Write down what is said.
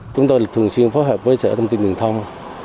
chúng tôi thường xuyên phối hợp với sở thông tin truyền thông